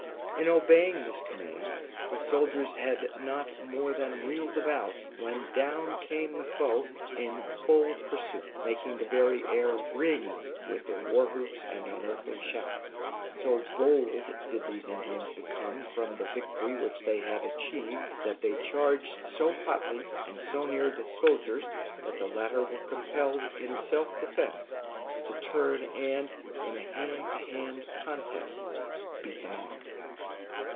In obeying this command, the soldiers had not more than wheeled about, when down came the foe in full pursuit, making the very air ring with their war whoops and unearthly shouts. So bold did these Indians become from the victory which they had achieved, that they charged so hotly and so near the soldiers that the latter were compelled, in self defence, to turn and, in a hand to hand contest, beat them off.